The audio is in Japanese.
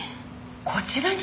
こちらに？